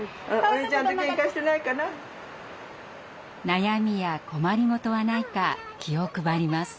悩みや困り事はないか気を配ります。